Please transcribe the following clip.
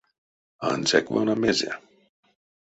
Ансяк вана мезе.